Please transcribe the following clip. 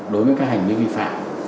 đối với các hành vi vi phạm